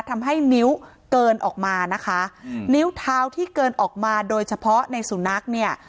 ทำให้นิ้วเกินออกมานะคะอืมนิ้วเท้าที่เกินออกมาโดยเฉพาะในสุนัขเนี่ย